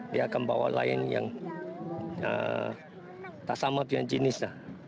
dia akan bawa lain yang tak sama punya jenis